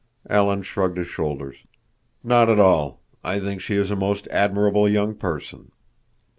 Alan shrugged his shoulders. "Not at all. I think she is a most admirable young person.